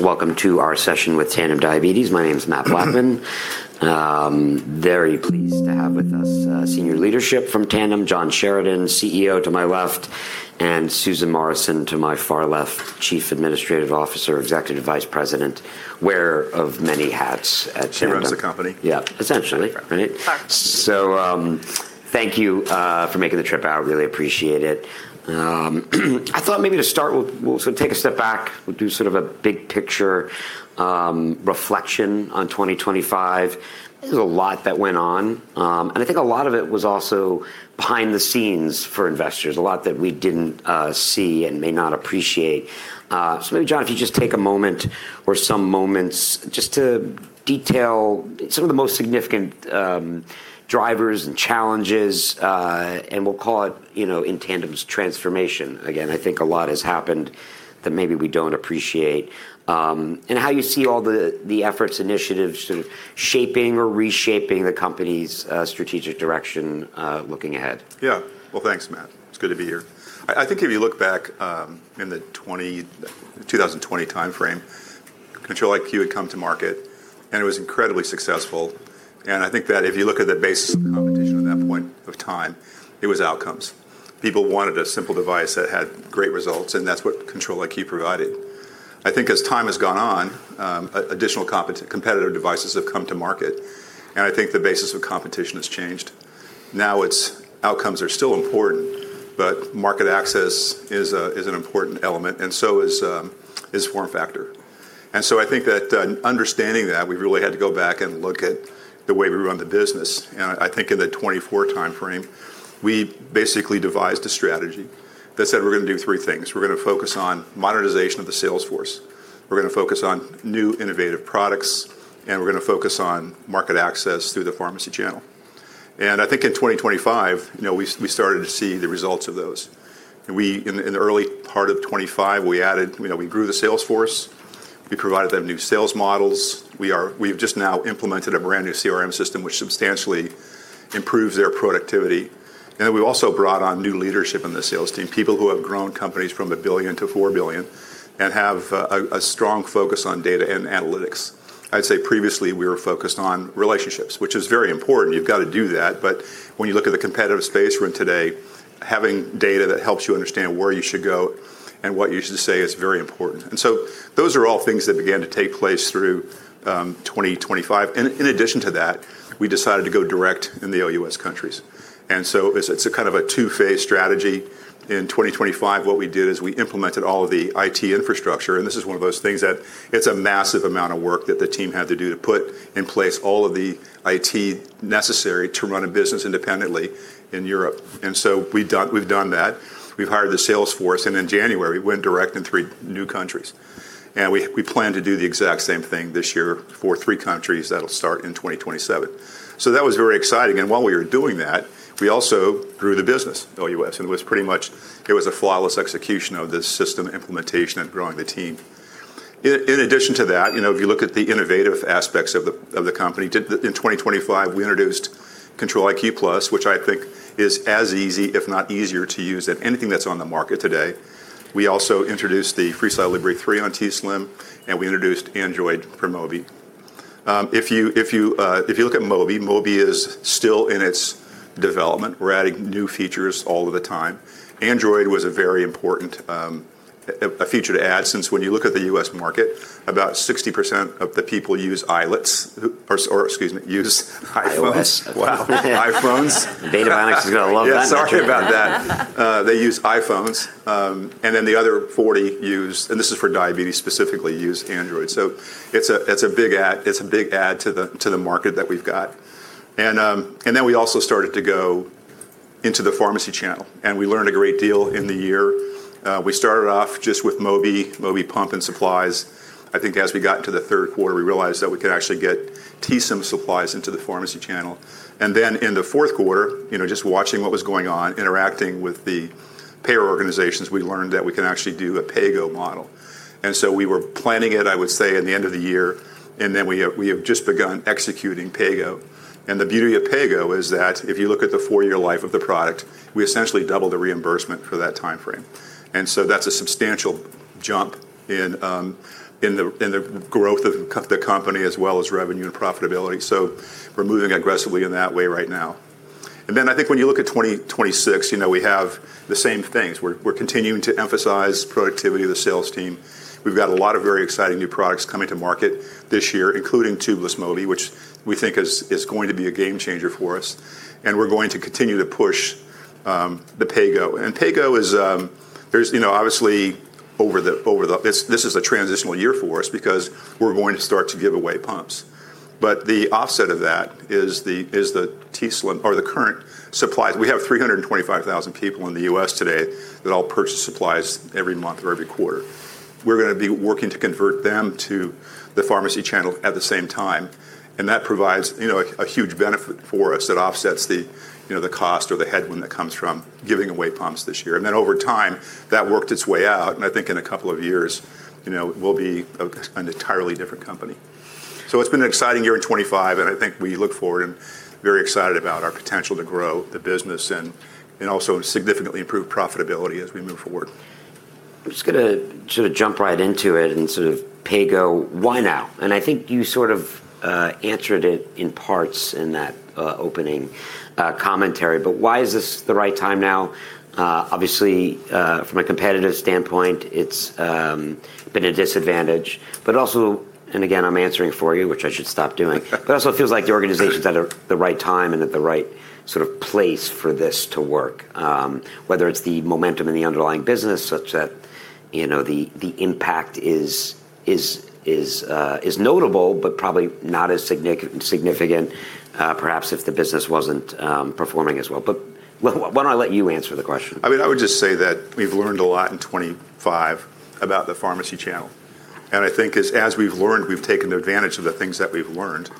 Welcome to our session with Tandem Diabetes. My name is Matt Blackman. Very pleased to have with us, senior leadership from Tandem, John Sheridan, CEO, to my left, and Susan Morrison to my far left, Chief Administrative Officer, Executive Vice President, wearer of many hats at Tandem. She runs the company. Yeah. Essentially. Right? Facts. Thank you for making the trip out. Really appreciate it. I thought maybe to start we'll sort of take a step back. We'll do sort of a big picture reflection on 2025. There's a lot that went on. I think a lot of it was also behind the scenes for investors, a lot that we didn't see and may not appreciate. Maybe John, if you just take a moment or some moments just to detail some of the most significant drivers and challenges, and we'll call it, you know, in Tandem's transformation. Again, I think a lot has happened that maybe we don't appreciate, and how you see all the efforts, initiatives sort of shaping or reshaping the company's strategic direction looking ahead. Well, thanks, Matt. It's good to be here. I think if you look back, in the 2020 timeframe, Control-IQ had come to market, and it was incredibly successful. I think that if you look at the base competition at that point of time, it was outcomes. People wanted a simple device that had great results, and that's what Control-IQ provided. I think as time has gone on, additional competitive devices have come to market, I think the basis of competition has changed. Now its outcomes are still important, but market access is an important element, and so is form factor. I think that, understanding that, we really had to go back and look at the way we run the business. I think in the 2024 timeframe, we basically devised a strategy that said we're going to do three things. We're going to focus on monetization of the sales force, we're going to focus on new innovative products, and we're going to focus on market access through the pharmacy channel. I think in 2025, you know, we started to see the results of those. In the early part of 2025, you know, we grew the sales force. We provided them new sales models. We've just now implemented a brand new CRM system which substantially improves their productivity. We've also brought on new leadership in the sales team, people who have grown companies from $1 billion to $4 billion and have a strong focus on data and analytics. I'd say previously we were focused on relationships, which is very important. You've got to do that. When you look at the competitive space we're in today, having data that helps you understand where you should go and what you should say is very important. Those are all things that began to take place through 2025. In addition to that, we decided to go direct in the OUS countries. It's a kind of a two-phase strategy. In 2025, what we did is we implemented all of the IT infrastructure, and this is one of those things that it's a massive amount of work that the team had to do to put in place all of the IT necessary to run a business independently in Europe. We've done that. We've hired the sales force, and in January, went direct in three new countries. We plan to do the exact same thing this year for three countries. That'll start in 2027. That was very exciting. While we were doing that, we also grew the business, OUS. It was a flawless execution of this system implementation and growing the team. In addition to that, you know, if you look at the innovative aspects of the company, in 2025, we introduced Control-IQ+, which I think is as easy, if not easier to use than anything that's on the market today. We also introduced the FreeStyle Libre 3 on t:slim, and we introduced Android for Mobi. If you look at Mobi is still in its development. We're adding new features all of the time. Android was a very important feature to add, since when you look at the U.S. market, about 60% of the people use iOS or excuse me, use iPhones. Eyelets. Wow. iPhones. Data analytics has got a long time to go. Yeah, sorry about that. They use iPhones. Then the other 40 use, and this is for diabetes specifically, use Android. It's a big add to the market that we've got. Then we also started to go into the pharmacy channel, and we learned a great deal in the year. We started off just with Mobi pump and supplies. I think as we got into the third quarter, we realized that we could actually get t:slim supplies into the pharmacy channel. Then in the fourth quarter, you know, just watching what was going on, interacting with the payer organizations, we learned that we can actually do a PAYGO model. We were planning it, I would say, in the end of the year, we have just begun executing PAYGO. The beauty of PAYGO is that if you look at the four year life of the product, we essentially double the reimbursement for that timeframe. That's a substantial jump in the growth of the company as well as revenue and profitability. We're moving aggressively in that way right now. I think when you look at 2026, you know, we have the same things. We're continuing to emphasize productivity of the sales team. We've got a lot of very exciting new products coming to market this year, including tubeless Mobi, which we think is going to be a game changer for us. We're going to continue to push the PAYGO. PAYGO is, you know, obviously this is a transitional year for us because we're going to start to give away pumps. The offset of that is the t:slim or the current supplies. We have 325,000 people in the US today that all purchase supplies every month or every quarter. We're going to be working to convert them to the pharmacy channel at the same time. That provides, you know, a huge benefit for us. It offsets the, you know, the cost or the headwind that comes from giving away pumps this year. Over time, that worked its way out, and I think in a couple of years, you know, we'll be an entirely different company. It's been an exciting year in 2025, and I think we look forward and very excited about our potential to grow the business and also significantly improve profitability as we move forward. I'm just going to sort of jump right into it and sort of pay-go, why now? I think you sort of answered it in parts in that opening commentary, why is this the right time now? Obviously, from a competitive standpoint, it's been a disadvantage. Also, again, I'm answering for you, which I should stop doing. Also it feels like the organization's at the right time and at the right sort of place for this to work. Whether it's the momentum in the underlying business such that, you know, the impact is notable, probably not as significant perhaps if the business wasn't performing as well. Why don't I let you answer the question? I mean, I would just say that we've learned a lot in 2025 about the pharmacy channel. I think as we've learned, we've taken advantage of the things that we've learned.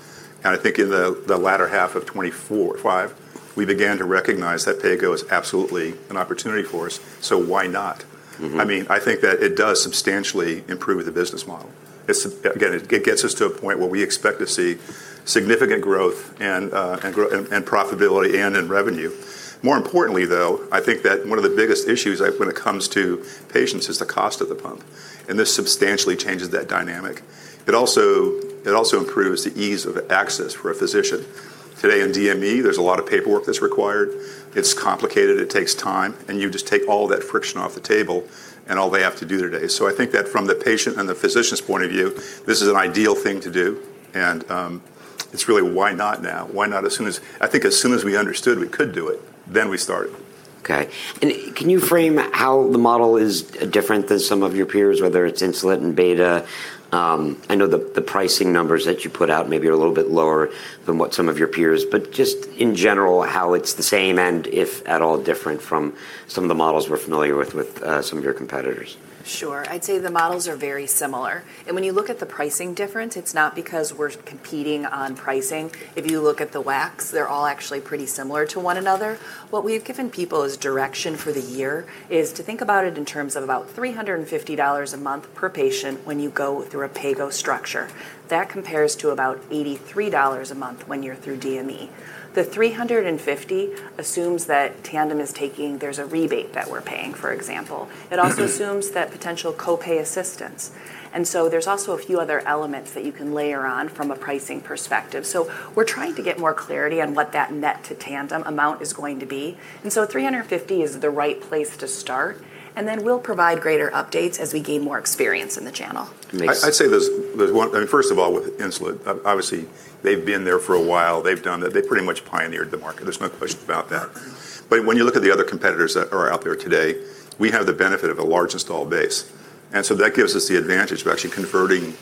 I think in the latter half of 2024-2025, we began to recognize that PAYGO is absolutely an opportunity for us, why not? I mean, I think that it does substantially improve the business model. It's, again, it gets us to a point where we expect to see significant growth and profitability and in revenue. More importantly, though, I think that one of the biggest issues, like, when it comes to patients is the cost of the pump, and this substantially changes that dynamic. It also improves the ease of access for a physician. Today in DME, there's a lot of paperwork that's required. It's complicated, it takes time, and you just take all that friction off the table and all they have to do today. I think that from the patient and the physician's point of view, this is an ideal thing to do. It's really why not now? Why not I think as soon as we understood we could do it, then we started. Okay. Can you frame how the model is different than some of your peers, whether it's Insulet and Beta? I know the pricing numbers that you put out maybe are a little bit lower than what some of your peers. Just in general, how it's the same and, if at all, different from some of the models we're familiar with some of your competitors. Sure. I'd say the models are very similar. When you look at the pricing difference, it's not because we're competing on pricing. If you look at the WACs, they're all actually pretty similar to one another. What we've given people as direction for the year is to think about it in terms of about $350 a month per patient when you go through a PAYGO structure. That compares to about $83 a month when you're through DME. The 350 assumes that Tandem is taking there's a rebate that we're paying, for example. It also assumes that potential co-pay assistance. There's also a few other elements that you can layer on from a pricing perspective. We're trying to get more clarity on what that net to Tandem amount is going to be. 350 is the right place to start, and then we'll provide greater updates as we gain more experience in the channel. I'd say there's, I mean, first of all, with Insulet, obviously, they've been there for a while. They've done that. They pretty much pioneered the market. There's no question about that. When you look at the other competitors that are out there today, we have the benefit of a large install base. That gives us the advantage of actually converting,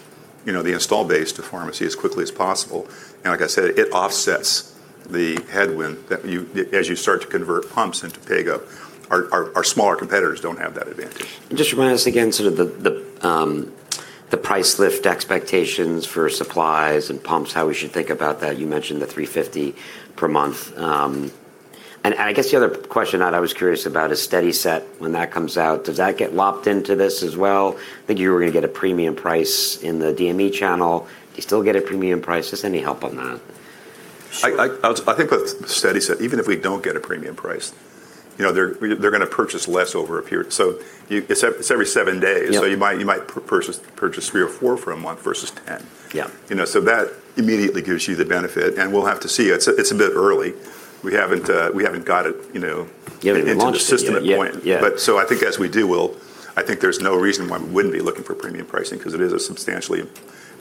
you know, the install base to pharmacy as quickly as possible. Like I said, it offsets the headwind that as you start to convert pumps into PAYGO. Our smaller competitors don't have that advantage. Just remind us again sort of the price lift expectations for supplies and pumps, how we should think about that. You mentioned the $350 per month. I guess the other question that I was curious about is SteadiSet, when that comes out, does that get lopped into this as well? I think you were going to get a premium price in the DME channel. Do you still get a premium price? Just any help on that. Sure. I think with SteadiSet, even if we don't get a premium price, you know, they're going to purchase less over a period. It's every seven days. Yep. You might purchase three to four for a month versus 10. Yeah. You know, that immediately gives you the benefit. We'll have to see. It's a bit early. We haven't got it, you know. You haven't launched it yet. into the system at point. Yeah. Yeah. I think as we do, I think there's no reason why we wouldn't be looking for premium pricing because it is a substantially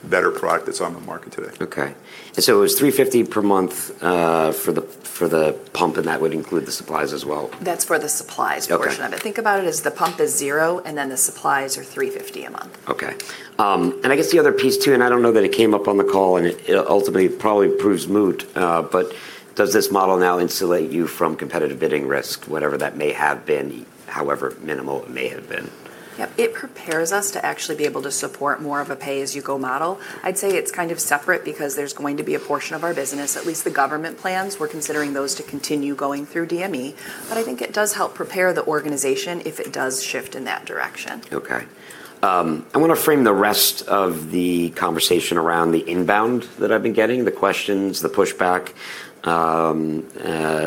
better product that's on the market today. Okay. it was $350 per month for the pump, and that would include the supplies as well? That's for the supplies portion of it. Okay. Think about it as the pump is $0, and then the supplies are $350 a month. Okay. I guess the other piece too, and I don't know that it came up on the call, and it ultimately probably proves moot, but does this model now insulate you from Competitive Bidding risk, whatever that may have been, however minimal it may have been? Yep. It prepares us to actually be able to support more of a pay-as-you-go model. I'd say it's kind of separate because there's going to be a portion of our business, at least the government plans, we're considering those to continue going through DME. I think it does help prepare the organization if it does shift in that direction. Okay. I wanna frame the rest of the conversation around the inbound that I've been getting, the questions, the pushback,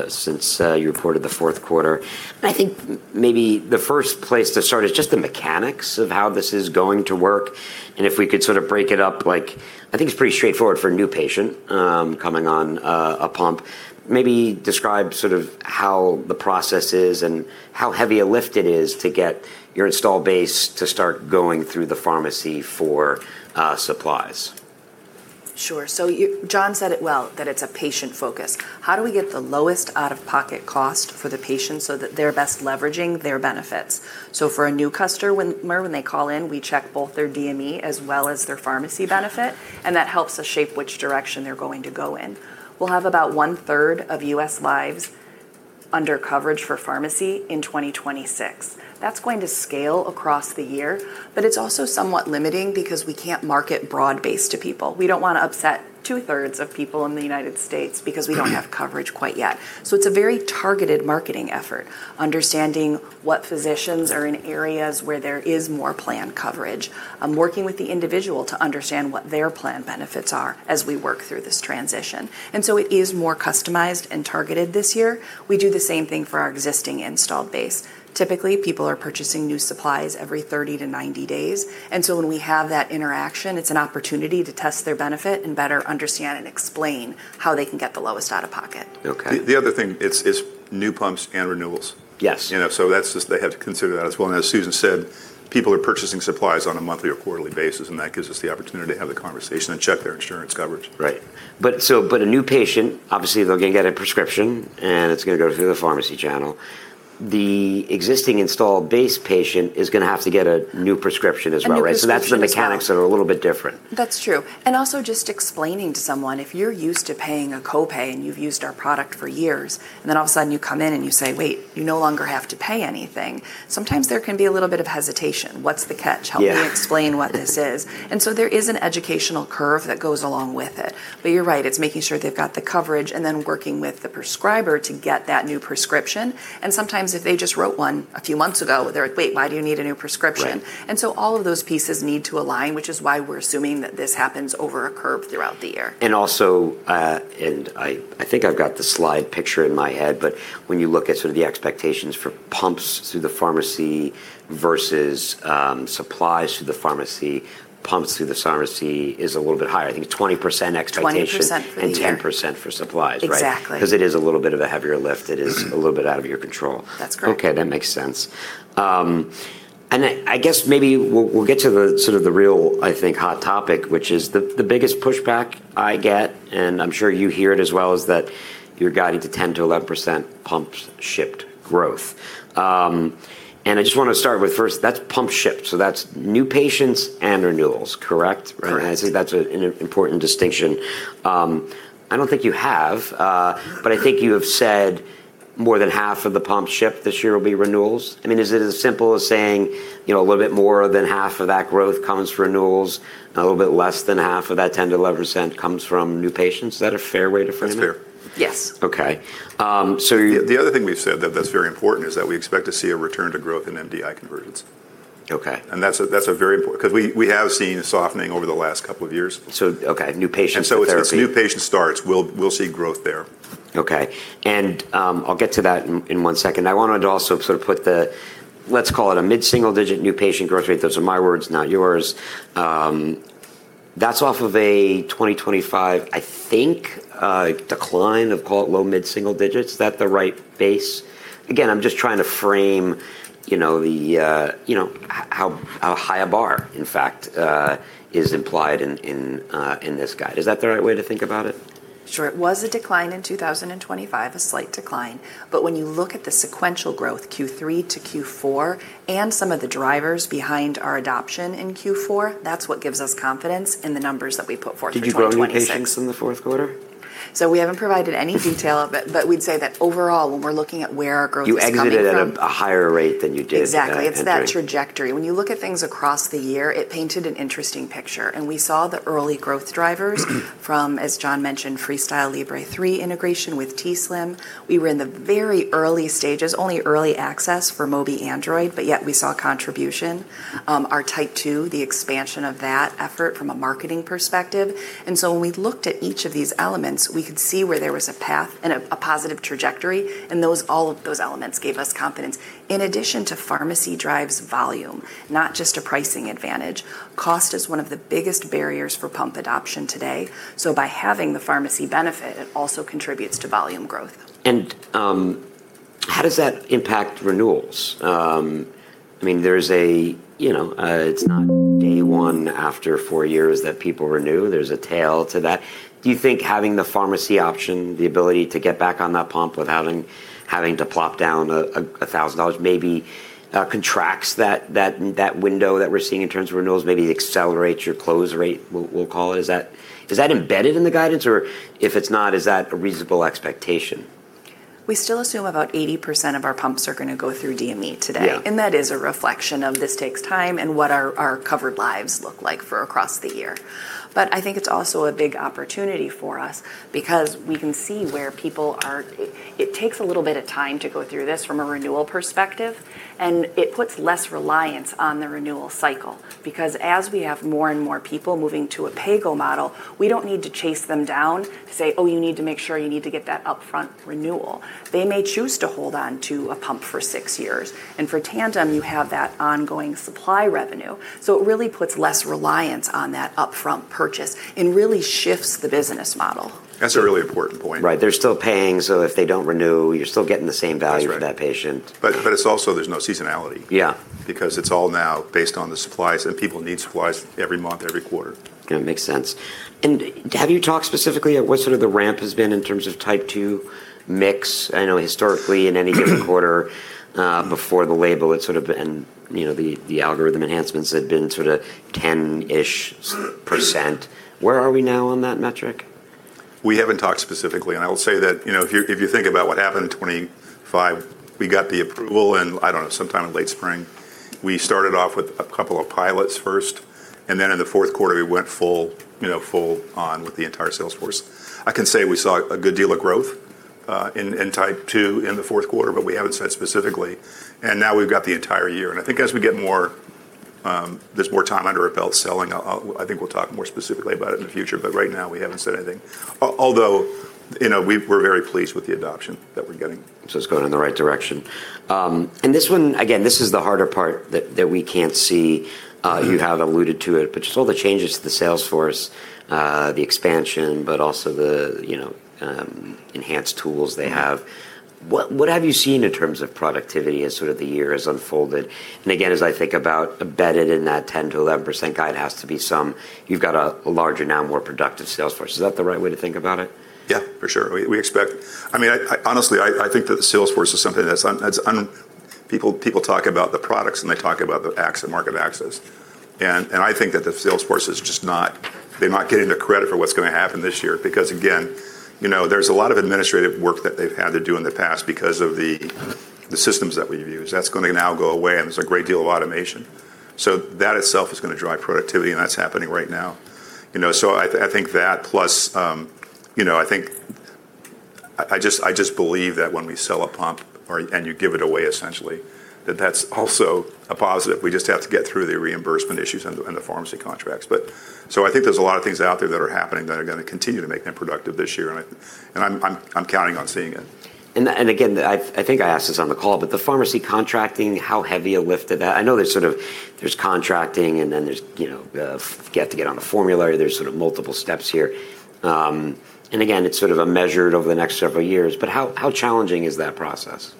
since you reported the fourth quarter. I think maybe the first place to start is just the mechanics of how this is going to work, and if we could sort of break it up. Like, I think it's pretty straightforward for a new patient coming on a pump. Maybe describe sort of how the process is and how heavy a lift it is to get your install base to start going through the pharmacy for supplies. Sure. John said it well, that it's a patient focus. How do we get the lowest out-of-pocket cost for the patient so that they're best leveraging their benefits? For a new customer, when they call in, we check both their DME as well as their pharmacy benefit, and that helps us shape which direction they're going to go in. We'll have about 1/3 of U.S. lives under coverage for pharmacy in 2026. That's going to scale across the year, but it's also somewhat limiting because we can't market broad-based to people. We don't wanna upset 2/3 of people in the U.S. because we don't have coverage quite yet. It's a very targeted marketing effort, understanding what physicians are in areas where there is more plan coverage. I'm working with the individual to understand what their plan benefits are as we work through this transition. It is more customized and targeted this year. We do the same thing for our existing installed base. Typically, people are purchasing new supplies every 30 to 90 days, and so when we have that interaction, it's an opportunity to test their benefit and better understand and explain how they can get the lowest out of pocket. Okay. The other thing, it's new pumps and renewals. Yes. You know, that's just they have to consider that as well. As Susan said, people are purchasing supplies on a monthly or quarterly basis, and that gives us the opportunity to have the conversation and check their insurance coverage. Right. A new patient, obviously they're going to get a prescription, and it's going to go through the pharmacy channel. The existing installed base patient is going to have to get a new prescription as well, right? A new prescription, so- That's the mechanics that are a little bit different. That's true. Also just explaining to someone, if you're used to paying a copay, and you've used our product for years, and then all of a sudden you come in and you say, "Wait, you no longer have to pay anything," sometimes there can be a little bit of hesitation. "What's the catch? Yeah. Help me explain what this is." There is an educational curve that goes along with it. You're right, it's making sure they've got the coverage and then working with the prescriber to get that new prescription. Sometimes if they just wrote one a few months ago, they're, "Wait, why do you need a new prescription? Right. All of those pieces need to align, which is why we're assuming that this happens over a curve throughout the year. I think I've got the slide picture in my head, but when you look at sort of the expectations for pumps through the pharmacy versus, supplies through the pharmacy, pumps through the pharmacy is a little bit higher. I think 20% expectation-. 20% for the year. and 10% for supplies, right? Exactly. Beause it is a little bit of a heavier lift. It is a little bit out of your control. That's correct. Okay, that makes sense. I guess maybe we'll get to the sort of the real, I think, hot topic, which is the biggest pushback I get, and I'm sure you hear it as well, is that you're guiding to 10%-11% pumps shipped growth. I just want to start with first, that's pumps shipped, so that's new patients and renewals, correct? Correct. I think that's an important distinction. I don't think you have, but I think you have said more than half of the pumps shipped this year will be renewals. I mean, is it as simple as saying, you know, a little bit more than half of that growth comes from renewals, and a little bit less than half of that 10%-11% comes from new patients? Is that a fair way to frame it? That's fair. Yes. Okay. The other thing we've said that's very important is that we expect to see a return to growth in MDI conversions. Okay. That's a very important, because we have seen a softening over the last couple of years. Okay, new patients with therapy. As new patient starts, we'll see growth there. Okay. I'll get to that in one second. I wanted to also sort of put the, let's call it a mid-single digit new patient growth rate. Those are my words, not yours. That's off of a 2025, I think, decline of, call it, low mid-single digits. Is that the right base? Again, I'm just trying to frame, you know, the, you know, how high a bar, in fact, is implied in this guide. Is that the right way to think about it? Sure. It was a decline in 2025, a slight decline. When you look at the sequential growth, third quarter to fourth quarter, and some of the drivers behind our adoption in fourth quarter, that's what gives us confidence in the numbers that we put forth for 2026. Did you grow new patients in the fourth quarter? We haven't provided any detail, but we'd say that overall, when we're looking at where our growth is coming from. You exited at a higher rate than you did at entry. Exactly. It's that trajectory. When you look at things across the year, it painted an interesting picture, and we saw the early growth drivers from, as John mentioned, FreeStyle Libre 3 integration with t:slim. We were in the very early stages, only early access for Mobi Android, but yet we saw contribution. Our Type 2, the expansion of that effort from a marketing perspective. When we looked at each of these elements, we could see where there was a path and a positive trajectory, all of those elements gave us confidence. In addition to pharmacy drives volume, not just a pricing advantage. Cost is one of the biggest barriers for pump adoption today, so by having the pharmacy benefit, it also contributes to volume growth. How does that impact renewals? I mean, there's a, you know, it's not day one after four years that people renew. There's a tail to that. Do you think having the pharmacy option, the ability to get back on that pump without having to plop down a $1,000 maybe, contracts that window that we're seeing in terms of renewals, maybe accelerates your close rate, we'll call it? Is that embedded in the guidance, or if it's not, is that a reasonable expectation? We still assume about 80% of our pumps are going to go through DME today. Yeah. That is a reflection of this takes time and what our covered lives look like for across the year. I think it's also a big opportunity for us because we can see where people are. It takes a little bit of time to go through this from a renewal perspective, and it puts less reliance on the renewal cycle. As we have more and more people moving to a PAYGO model, we don't need to chase them down to say, "Oh, you need to make sure you need to get that upfront renewal." They may choose to hold on to a pump for six years. For Tandem, you have that ongoing supply revenue. It really puts less reliance on that upfront purchase and really shifts the business model. That's a really important point. Right. They're still paying, so if they don't renew, you're still getting the same value for that patient. That's right. It's also there's no seasonality. Yeah. Because it's all now based on the supplies, and people need supplies every month, every quarter. Yeah, makes sense. Have you talked specifically at what sort of the ramp has been in terms of Type 2 mix? I know historically in any given quarter, before the label, and, you know, the algorithm enhancements had been sort of 10-ish%. Where are we now on that metric? We haven't talked specifically. I will say that, you know, if you, if you think about what happened in 2025, we got the approval in, I don't know, sometime in late spring. We started off with a couple of pilots first. In the fourth quarter we went full, you know, full on with the entire sales force. I can say we saw a good deal of growth in Type 2 in the fourth quarter. We haven't said specifically. Now we've got the entire year. I think as we get more, there's more time under our belt selling, I think we'll talk more specifically about it in the future. Right now we haven't said anything. Although, you know, we're very pleased with the adoption that we're getting. It's going in the right direction. This one, again, this is the harder part that we can't see. you have alluded to it, but just all the changes to the sales force, the expansion, but also the, you know, enhanced tools they hav What have you seen in terms of productivity as sort of the year has unfolded? Again, as I think about embedded in that 10%-11% guide has to be some- You've got a larger, now more productive sales force. Is that the right way to think about it? Yeah, for sure. We expect, I mean, I honestly, I think that the sales force is something that's people talk about the products and they talk about the market access. I think that the sales force is just not, they're not getting the credit for what's going to happen this year. Because again, you know, there's a lot of administrative work that they've had to do in the past because of the systems that we've used. That's going to now go away, and there's a great deal of automation. So that itself is going to drive productivity, and that's happening right now. You know, so I think that plus, you know, I just believe that when we sell a pump or, and you give it away essentially, that that's also a positive. We just have to get through the reimbursement issues and the pharmacy contracts. I think there's a lot of things out there that are happening that are going to continue to make them productive this year, and I'm counting on seeing it. Again, I think I asked this on the call, but the pharmacy contracting, how heavy a lift is that? I know there's sort of, there's contracting and then there's, you know, you have to get on the formulary. There's sort of multiple steps here. Again, it's sort of a measure over the next several years, but how challenging is that process?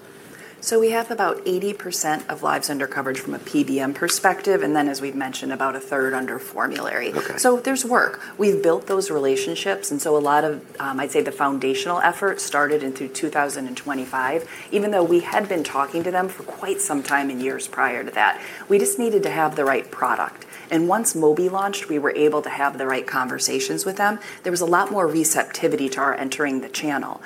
We have about 80% of lives under coverage from a PBM perspective, and then, as we've mentioned, about a third under formulary. Okay. There's work. We've built those relationships, and so a lot of, I'd say the foundational effort started in through 2025, even though we had been talking to them for quite some time in years prior to that. We just needed to have the right product. Once Mobi launched, we were able to have the right conversations with them. There was a lot more receptivity to our entering the channel.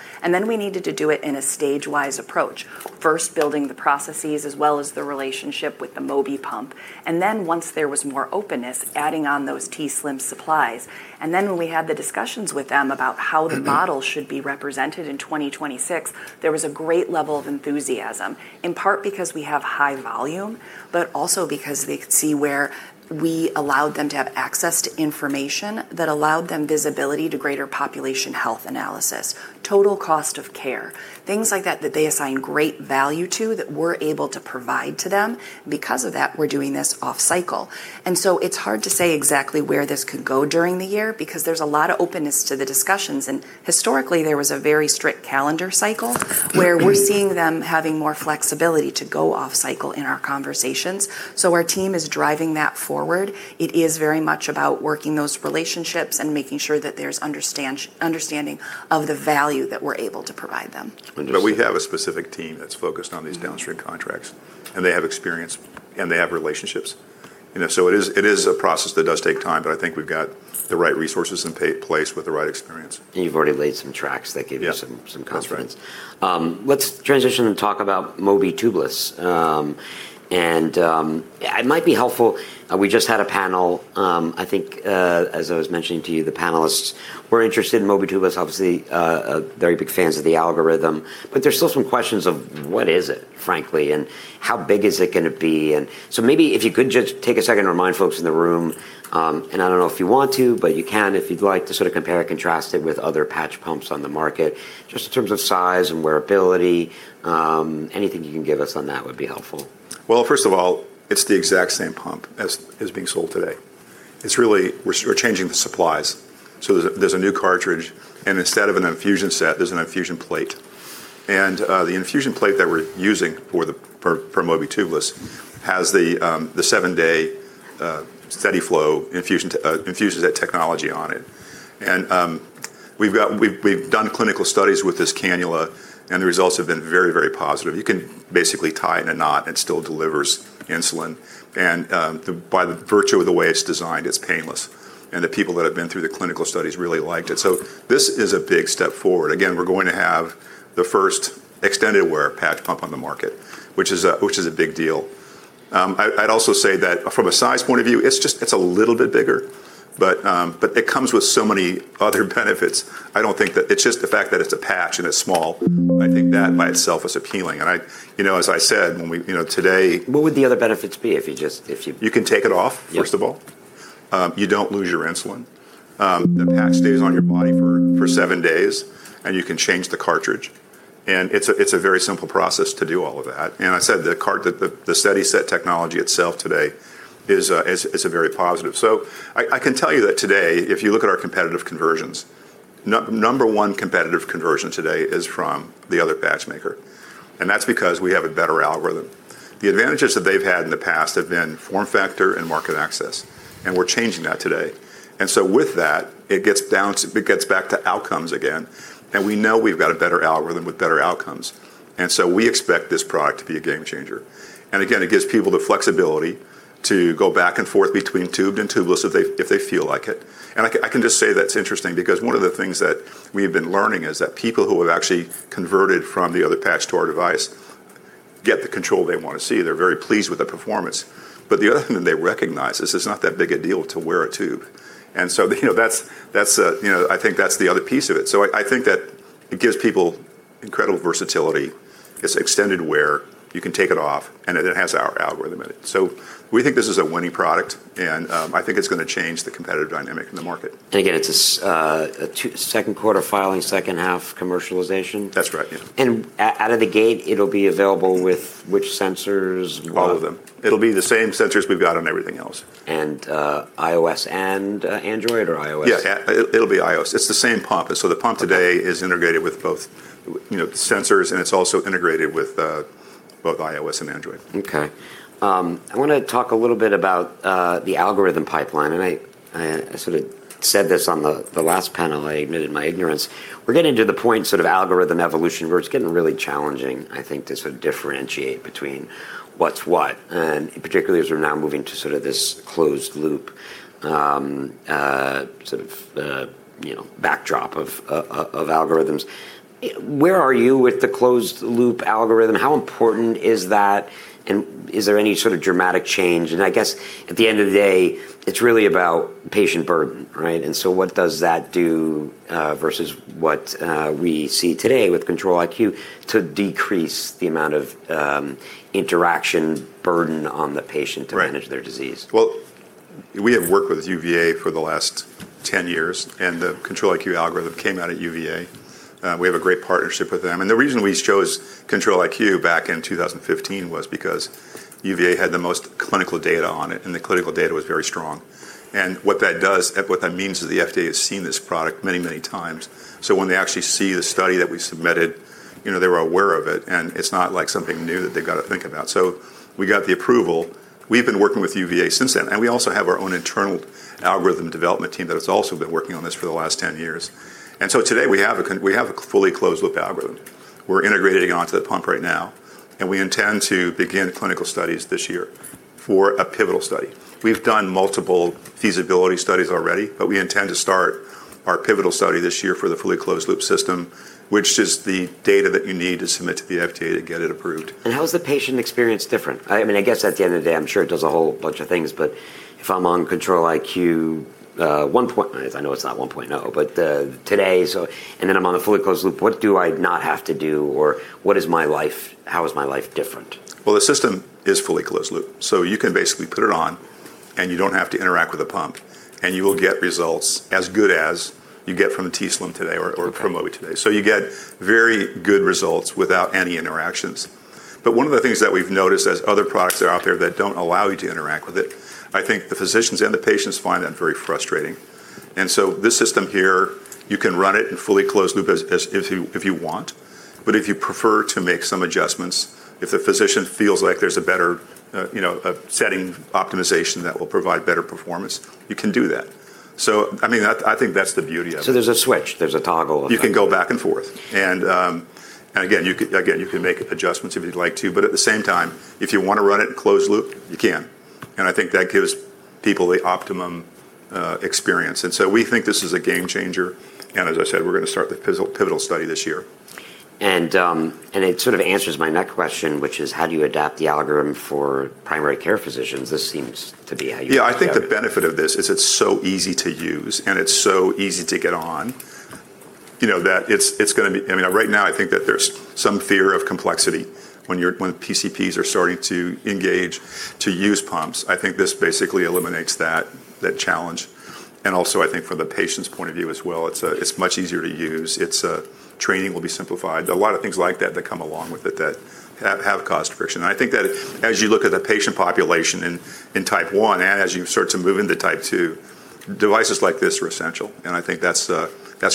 We needed to do it in a stage-wise approach. First, building the processes as well as the relationship with the Mobi pump. Once there was more openness, adding on those t:slim supplies. When we had the discussions with them about how the model should be represented in 2026, there was a great level of enthusiasm, in part because we have high volume, but also because they could see where we allowed them to have access to information that allowed them visibility to greater population health analysis, total cost of care, things like that they assign great value to that we're able to provide to them. Because of that, we're doing this off cycle. It's hard to say exactly where this could go during the year because there's a lot of openness to the discussions. Historically, there was a very strict calendar cycle where we're seeing them having more flexibility to go off cycle in our conversations. Our team is driving that forward. It is very much about working those relationships and making sure that there's understanding of the value that we're able to provide them. We have a specific team that's focused on these downstream contracts, and they have experience, and they have relationships. You know, it is a process that does take time, but I think we've got the right resources in place with the right experience. You've already laid some tracks that give you. Yeah some confidence. That's right. Let's transition and talk about Mobi Tubeless. It might be helpful. We just had a panel, I think, as I was mentioning to you, the panelists were interested in Mobi Tubeless, obviously, very big fans of the algorithm. There's still some questions of what is it, frankly, and how big is it going to be. Maybe if you could just take a second to remind folks in the room, and I don't know if you want to, but you can if you'd like to sort of compare and contrast it with other patch pumps on the market, just in terms of size and wearability. Anything you can give us on that would be helpful. Well, first of all, it's the exact same pump as being sold today. It's really we're changing the supplies. There's a new cartridge, and instead of an infusion set, there's an infusion plate. The infusion plate that we're using for the Mobi Tubeless has the seven-day SteadiSet infusion set technology on it. We've done clinical studies with this cannula, and the results have been very positive. You can basically tie it in a knot and it still delivers insulin. By the virtue of the way it's designed, it's painless. The people that have been through the clinical studies really liked it. This is a big step forward. Again, we're going to have the first extended wear patch pump on the market, which is a big deal. I'd also say that from a size point of view, it's just, it's a little bit bigger. It comes with so many other benefits. I don't think that it's just the fact that it's a patch and it's small. I think that by itself is appealing. I, you know, as I said, when we, you know. What would the other benefits be if you- You can take it. Yeah first of all. You don't lose your insulin. The patch stays on your body for seven days, and you can change the cartridge. It's a very simple process to do all of that. I said the SteadiSet technology itself today is a very positive. I can tell you that today, if you look at our competitive conversions, number one competitive conversion today is from the other patch maker, and that's because we have a better algorithm. The advantages that they've had in the past have been form factor and market access, and we're changing that today. With that, it gets back to outcomes again, and we know we've got a better algorithm with better outcomes. We expect this product to be a game changer. Again, it gives people the flexibility to go back and forth between tubed and tubeless if they, if they feel like it. I can just say that's interesting because one of the things that we have been learning is that people who have actually converted from the other patch to our deviceGet the control they wanna see. They're very pleased with the performance. The other thing that they recognize is it's not that big a deal to wear a tube. you know, that's, you know, I think that's the other piece of it. I think that it gives people incredible versatility. It's extended where you can take it off, and it has our algorithm in it. We think this is a winning product, and I think it's going to change the competitive dynamic in the market. Again, it's a second quarter filing, second half commercialization? That's right, yeah. out of the gate it'll be available with which sensors? All of them. It'll be the same sensors we've got on everything else. iOS and Android or iOS? Yeah, it'll be iOS. It's the same pump. The pump today. Okay... is integrated with both, you know, the sensors, and it's also integrated with, both iOS and Android. Okay. I wanna talk a little bit about the algorithm pipeline. I sort of said this on the last panel. I admitted my ignorance. We're getting to the point, sort of algorithm evolution, where it's getting really challenging, I think, to sort of differentiate between what's what, and particularly as we're now moving to sort of this closed loop, you know, backdrop of algorithms. Where are you with the closed loop algorithm? How important is that? Is there any sort of dramatic change? I guess at the end of the day, it's really about patient burden, right? What does that do versus what we see today with Control-IQ to decrease the amount of interaction burden on the patient. Right... to manage their disease? Well, we have worked with UVA for the last 10 years. The Control-IQ algorithm came out of UVA. We have a great partnership with them. The reason we chose Control-IQ back in 2015 was because UVA had the most clinical data on it, and the clinical data was very strong. What that does, what that means is the FDA has seen this product many, many times, so when they actually see the study that we submitted, you know, they were aware of it and it's not like something new that they've got to think about. We got the approval. We've been working with UVA since then. We also have our own internal algorithm development team that has also been working on this for the last 10 years. Today we have a fully closed loop algorithm. We're integrating it onto the pump right now. We intend to begin clinical studies this year for a pivotal study. We've done multiple feasibility studies already. We intend to start our pivotal study this year for the fully closed loop system, which is the data that you need to submit to the FDA to get it approved. How is the patient experience different? I mean, I guess at the end of the day, I'm sure it does a whole bunch of things, but if I'm on Control-IQ, I know it's not point zero, today, and then I'm on the fully closed loop, what do I not have to do? Or how is my life different? The system is fully closed loop, so you can basically put it on, and you don't have to interact with the pump, and you will get results as good as you get from a t:slim today or Omnipod today. Okay. You get very good results without any interactions. One of the things that we've noticed as other products are out there that don't allow you to interact with it, I think the physicians and the patients find that very frustrating. This system here, you can run it in fully closed loop as if you want, but if you prefer to make some adjustments, if the physician feels like there's a better, you know, a setting optimization that will provide better performance, you can do that. I mean, that, I think that's the beauty of it. There's a switch. There's a toggle. You can go back and forth. Again, you can make adjustments if you'd like to, but at the same time, if you wanna run it in closed loop, you can. I think that gives people the optimum experience. We think this is a game changer. As I said, we're going to start the pivotal study this year. It sort of answers my next question, which is how do you adapt the algorithm for primary care physicians? This seems to be how you would. Yeah, I think the benefit of this is it's so easy to use and it's so easy to get on, you know, that it's going to be. I mean, right now I think that there's some fear of complexity when PCPs are starting to engage to use pumps. I think this basically eliminates that challenge. Also I think from the patient's point of view as well, it's much easier to use. Training will be simplified. A lot of things like that that come along with it that have caused friction. I think that as you look at the patient population in Type 1, and as you start to move into Type 2, devices like this are essential. I think that's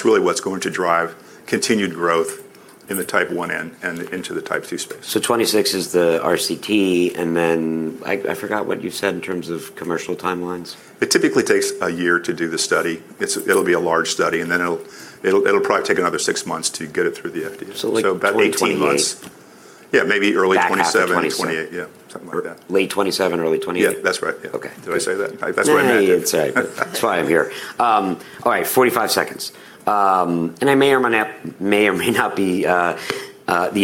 really what's going to drive continued growth in the Type 1 end and into the Type 2 space. 2026 is the RCT, and then I forgot what you said in terms of commercial timelines. It typically takes a year to do the study. It's, it'll be a large study, and then it'll probably take another six months to get it through the FDA. like 2028. About 18, 20 months. Yeah, maybe early 2027, 2028. Back half of 2027. Yeah, something like that. Late 2027, early 2028. Yeah, that's right. Yeah. Okay. Did I say that? That's what I meant. It's all right. That's why I'm here. All right, 45 seconds. I may or may not be the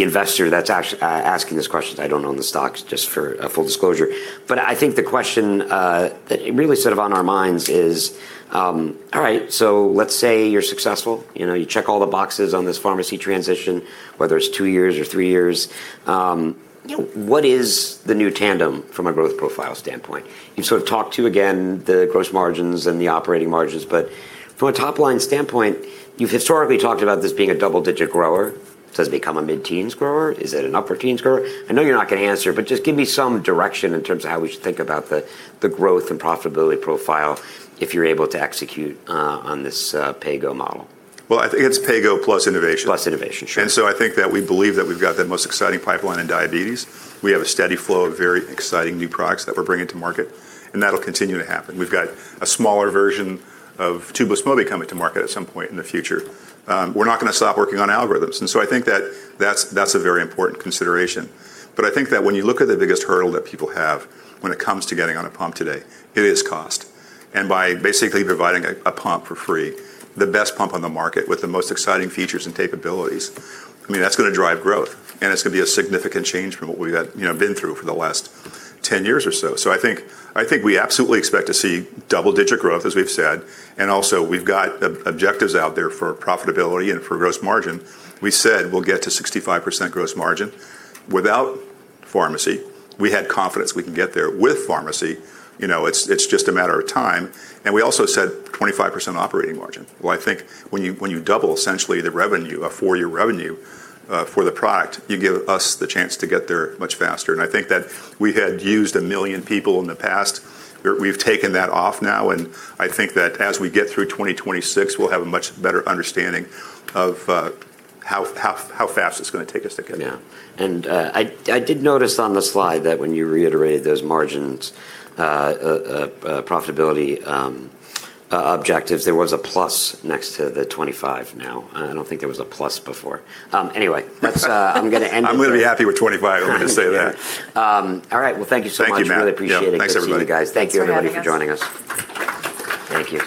investor that's asking these questions. I don't own the stocks, just for full disclosure. I think the question that really sort of on our minds is, all right, let's say you're successful. You know, you check all the boxes on this pharmacy transition, whether it's two years or three years. You know, what is the new Tandem from a growth profile standpoint? You've sort of talked to, again, the gross margins and the operating margins, but from a top-line standpoint, you've historically talked about this being a double-digit grower. Does it become a mid-teens grower? Is it an upper teens grower? I know you're not going to answer, but just give me some direction in terms of how we should think about the growth and profitability profile if you're able to execute on this PAYGO model. Well, I think it's PAYGO plus innovation. Innovation. Sure. I think that we believe that we've got the most exciting pipeline in diabetes. We have a steady flow of very exciting new products that we're bringing to market, and that'll continue to happen. We've got a smaller version of Tubeless Mobi coming to market at some point in the future. We're not going stop working on algorithms, and so I think that that's a very important consideration. I think that when you look at the biggest hurdle that people have when it comes to getting on a pump today, it is cost. By basically providing a pump for free, the best pump on the market with the most exciting features and capabilities, I mean, that's going to drive growth, and it's going tobe a significant change from what we've had, you know, been through for the last 10 years or so. I think we absolutely expect to see double-digit growth, as we've said, and also we've got objectives out there for profitability and for gross margin. We said we'll get to 65% gross margin without pharmacy. We had confidence we can get there with pharmacy. You know, it's just a matter of time. We also said 25% operating margin. I think when you double essentially the revenue, a four year revenue for the product, you give us the chance to get there much faster. I think that we had used 1 million people in the past. We've taken that off now, and I think that as we get through 2026, we'll have a much better understanding of how fast it's v take us to get there. Yeah. I did notice on the slide that when you reiterated those margins, profitability objectives, there was a plus next to the 2025 now. I don't think there was a plus before. Anyway, that's, I'm going to end it there. I'm going to be happy with 2025, I'm going to say that. Yeah. All right. Well, thank you so much. Thank you, Matt. Really appreciate it. Yeah. Thanks, everybody. Good seeing you guys. Thanks for having us. Thank you, everybody, for joining us. Thank you.